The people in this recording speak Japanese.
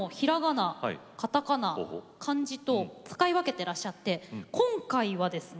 カタカナ漢字と使い分けてらっしゃって今回はですね